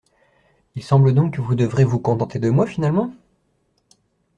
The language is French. Il semble donc que vous devrez vous contenter de moi finalement?